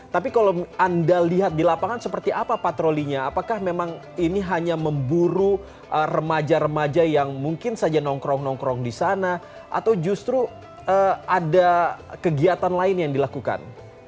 tapi kalau anda lihat di lapangan seperti apa patrolinya apakah memang ini hanya memburu remaja remaja yang mungkin saja nongkrong nongkrong di sana atau justru ada kegiatan lain yang dilakukan